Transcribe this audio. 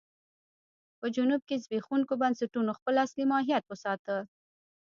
په جنوب کې زبېښونکو بنسټونو خپل اصلي ماهیت وساته.